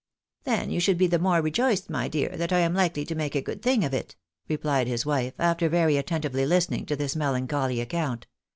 " Then you should be the more rejoiced, my dear, that I am likely to make a good thing of it," replied his wife, after very attentively listening to this melancholy account.